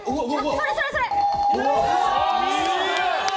それそれそれ！